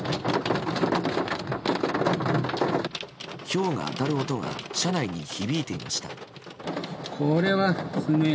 ひょうが当たる音が車内に響いていました。